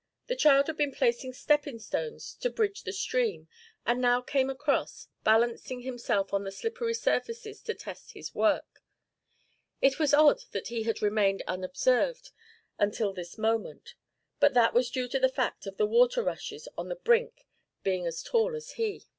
The child had been placing stepping stones to bridge the stream, and now came across, balancing himself on the slippery surfaces to test his work. It was odd that he had remained unobserved until this moment, but that was due to the fact of the water rushes on the brink being as tall as he.